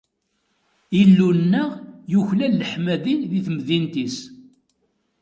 Illu-nneɣ yuklal leḥmadi di temdint-is.